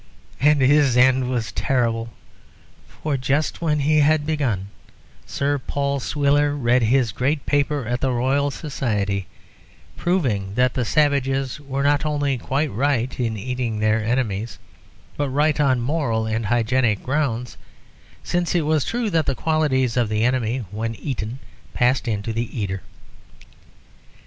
And his end was terrible, for just when he had begun, Sir Paul Swiller read his great paper at the Royal Society, proving that the savages were not only quite right in eating their enemies, but right on moral and hygienic grounds, since it was true that the qualities of the enemy, when eaten, passed into the eater.